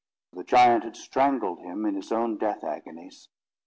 The giant had strangled him in his own death agonies.